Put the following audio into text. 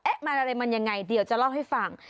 มันอะไรมันยังไงเดี๋ยวจะเล่าให้ฟัง